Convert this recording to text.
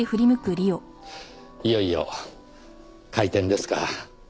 いよいよ開店ですか。